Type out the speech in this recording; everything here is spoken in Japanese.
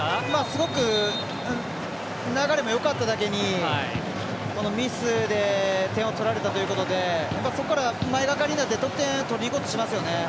すごく流れもよかっただけにミスで点を取られたということでそこから前がかりになって得点取りにいきますよね。